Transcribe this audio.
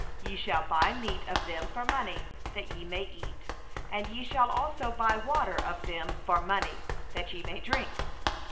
6Ye shall purchase food of them for money, that ye may eat; and ye shall also buy water of them for money, that ye may drink.